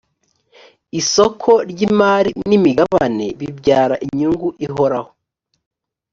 isoko ry imari n imigabane bibyara inyungu ihoraho